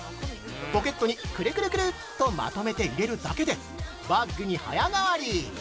ポケットにくるくるとまとめて入れるだけで、バッグに早変わり。